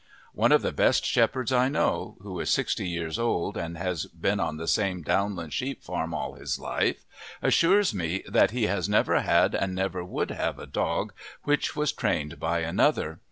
One of the best shepherds I know, who is sixty years old and has been on the same downland sheep farm all his life, assures me that he has never had and never would have a dog which was trained by another.